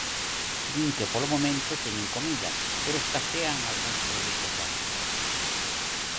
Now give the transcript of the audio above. Din que polo momento teñen comida, pero escasean algúns produtos básicos.